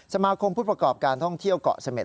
สมาคมผู้ประกอบการท่องเที่ยวเกาะเสม็ด